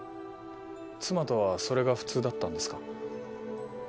妻とはそれが普通だったんですか？